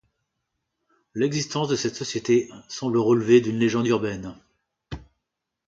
L’existence de cette société semble relever d'une légende urbaine.